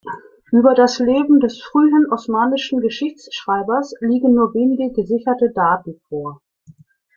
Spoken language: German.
Über das Leben des frühen osmanischen Geschichtsschreibers liegen nur wenige gesicherte Daten vor.